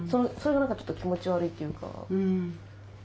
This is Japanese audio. それが何かちょっと気持ち悪いというか。